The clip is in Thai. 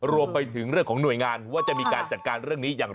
รวมไปถึงเรื่องของหน่วยงานว่าจะมีการจัดการเรื่องนี้อย่างไร